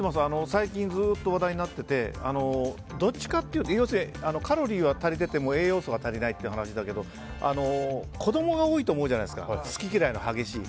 最近ずっと話題になっててカロリーは足りてても栄養素が足りないって話だけどどっちかっていうと子供が多いと思うじゃないですか好き嫌いの激しい。